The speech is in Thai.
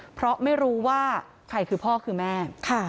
เพราะไม่รู้ว่าใครคือพ่อคือแม่